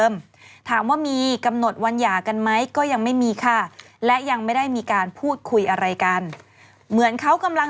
แล้วก็เจออะไรแล้วมีอย่างที่เด็กเขาพูดหรือเปล่า